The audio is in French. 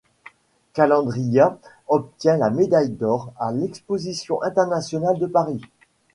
Calandria obtient la médaille d'or à l'exposition internationale de Paris.